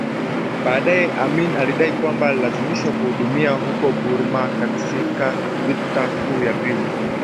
Baadaye Amin alidai ya kwamba alilazimishwa kuhudumia huko Burma katika Vita Kuu ya Pili